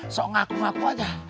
soal ngaku ngaku aja